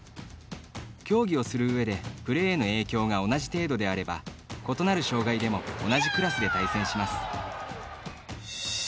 競技をする上でプレーへの影響が同じ程度であれば異なる障がいでも同じクラスで対戦します。